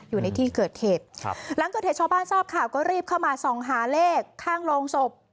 อยู่ในที่เกิดเหตุครับหลังเกิดเหตุชาวบ้านทราบข่าวก็รีบเข้ามาส่องหาเลขข้างโรงศพ